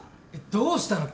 どうしたの？